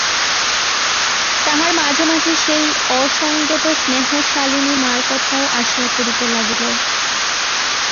তাহার মাঝে মাঝে সেই অসংযতস্নেহশালিনী মার কথাও আসিয়া পড়িতে লাগিল।